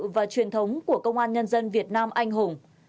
và truyền thống của công an nhân dân việt nam anh hùng